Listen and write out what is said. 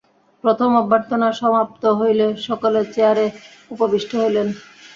প্রথম অভ্যর্থনা সমাপ্ত হইলে সকলে চেয়ারে উপবিষ্ট হইলেন।